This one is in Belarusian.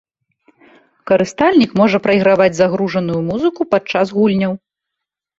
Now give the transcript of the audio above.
Карыстальнік можа прайграваць загружаную музыку падчас гульняў.